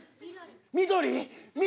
緑。